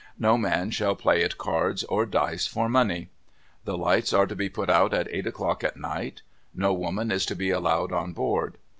No man shall play at cards or dice for money. The lights are to be put out at eight o'clock at night. No woman is to be allowed on board.